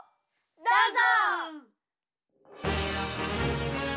どうぞ！